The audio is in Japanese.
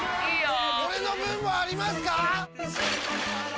俺の分もありますか！？